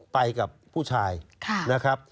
ไปกับผู้ชายนะครับ